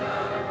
aku juga minta